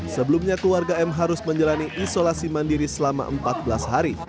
sebelumnya keluarga m harus menjalani isolasi mandiri selama empat belas hari